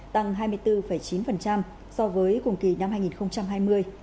tăng hai mươi bốn chín so với cùng kỳ năm hai nghìn hai mươi